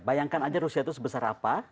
bayangkan aja rusia itu sebesar apa